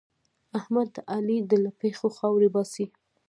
احمد د علي له پښو خاورې باسي.